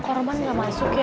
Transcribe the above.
kok roman gak masuk ya